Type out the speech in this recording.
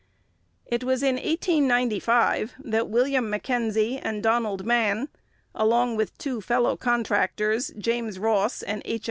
It was in 1895 that William Mackenzie and Donald Mann, along with two fellow contractors, James Ross and H.